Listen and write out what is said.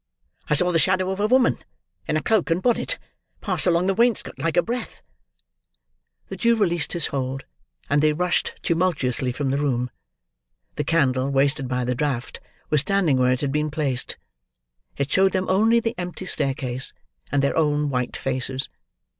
I saw the shadow of a woman, in a cloak and bonnet, pass along the wainscot like a breath!" The Jew released his hold, and they rushed tumultuously from the room. The candle, wasted by the draught, was standing where it had been placed. It showed them only the empty staircase, and their own white faces.